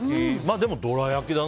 でも、どら焼きだな。